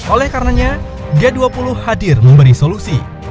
oleh karenanya g dua puluh hadir memberi solusi